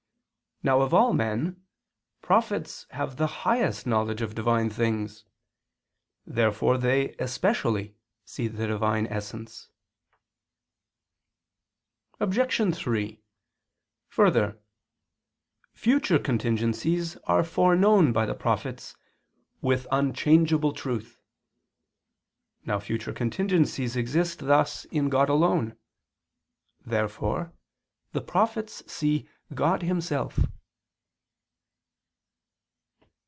Now, of all men, prophets have the highest knowledge of Divine things. Therefore they, especially, see the Divine essence. Obj. 3: Further, future contingencies are foreknown by the prophets "with unchangeable truth." Now future contingencies exist thus in God alone. Therefore the prophets see God Himself.